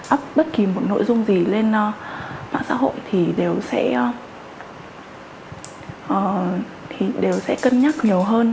up bất kỳ một nội dung gì lên mạng xã hội thì đều sẽ cân nhắc nhiều hơn